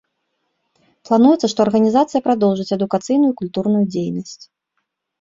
Плануецца, што арганізацыя прадоўжыць адукацыйную і культурную дзейнасць.